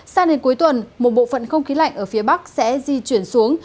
sang đến cuối tuần một bộ phận không khí lạnh ở phía bắc sẽ di chuyển xuống